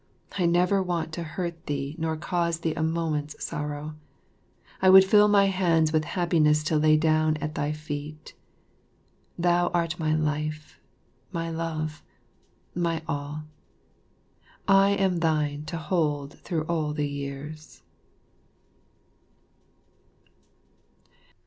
I never want to hurt thee nor cause thee a moment's sorrow. I would fill my hands with happiness to lay down at thy feet. Thou art my life, my love, my all, and I am thine to hold through all the years.